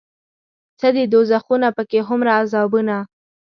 څه دي دوزخونه پکې هومره عذابونه